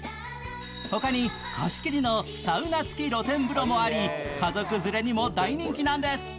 他に貸し切りのサウナつき露天風呂もあり、家族連れにも大人気なんです。